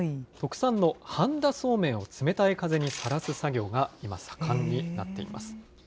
特産の半田そうめんを冷たい風にさらす作業が今、盛んになっています。